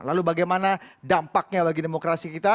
lalu bagaimana dampaknya bagi demokrasi kita